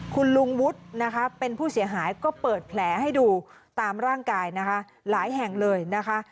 คุณลุงวุฒินะคะเป็นผู้เสียหายก็เปิดแผลให้ดูตามร่างกายนะคะหลายแห่งเลยนะคะ